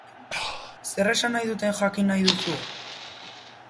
Zer esan nahi duten jakin nahi duzu?